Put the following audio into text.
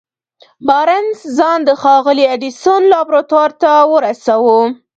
بارنس ځان د ښاغلي ايډېسن لابراتوار ته ورساوه.